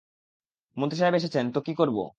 মন্ত্রীসাহেব এসেছেন, তো কী করবো?